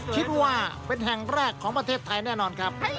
คิดว่าเป็นแห่งแรกของประเทศไทยแน่นอนครับ